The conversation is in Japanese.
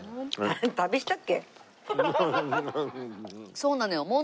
そうなのよ問題